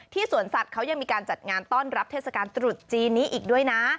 สวนสัตว์เขายังมีการจัดงานต้อนรับเทศกาลตรุษจีนนี้อีกด้วยนะ